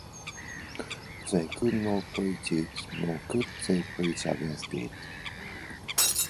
They could not preach it, nor could they preach against it.